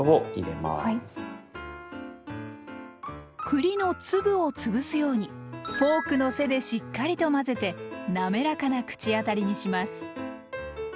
栗の粒をつぶすようにフォークの背でしっかりと混ぜてなめらかな口当たりにします。